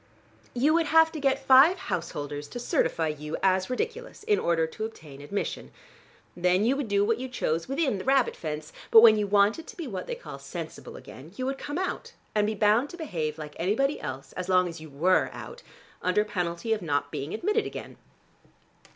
You would have to get five householders to certify you as ridiculous, in order to obtain admission. Then you would do what you chose within the rabbit fence, but when you wanted to be what they call sensible again you would come out, and be bound to behave like anybody else, as long as you were out, under penalty of not being admitted again."